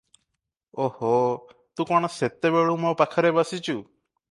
"ଓ ହୋ! ତୁ କଣ ସେତେବେଳୁ ମୋ ପାଖରେ ବସିଚୁ?